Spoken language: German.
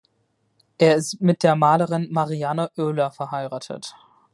Er ist mit der Malerin Marianne Oehler verheiratet.